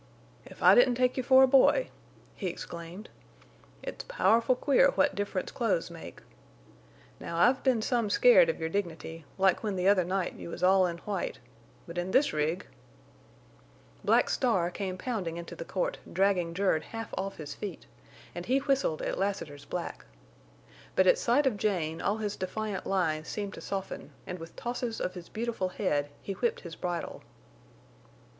"If I didn't take you for a boy!" he exclaimed. "It's powerful queer what difference clothes make. Now I've been some scared of your dignity, like when the other night you was all in white but in this rig—" Black Star came pounding into the court, dragging Jerd half off his feet, and he whistled at Lassiter's black. But at sight of Jane all his defiant lines seemed to soften, and with tosses of his beautiful head he whipped his bridle.